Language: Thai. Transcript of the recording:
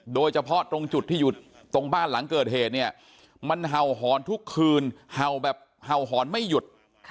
โดยเฉพาะตรงจุดที่อยู่ตรงบ้านหลังเกิดเหตุเนี่ยมันเห่าหอนทุกคืนเห่าแบบเห่าหอนไม่หยุด